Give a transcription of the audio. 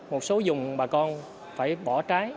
một số dùng bà con phải bỏ trái